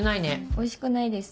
おいしくないです。